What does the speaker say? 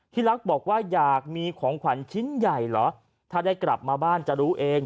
ลักษณ์บอกว่าอยากมีของขวัญชิ้นใหญ่เหรอถ้าได้กลับมาบ้านจะรู้เอง